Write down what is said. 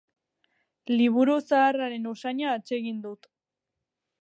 Liburu zaharren usaina atsegin dut.